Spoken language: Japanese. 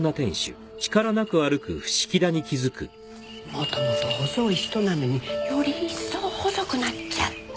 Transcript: もともと細い人なのにより一層細くなっちゃって。